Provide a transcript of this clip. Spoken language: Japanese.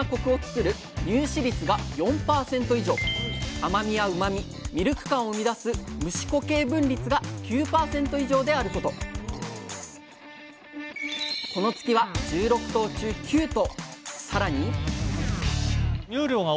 甘みやうまみミルク感を生み出す無脂固形分率が９％以上であることこの月は１６頭中９頭！